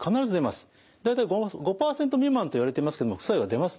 大体５％未満といわれてますけども副作用は出ますので。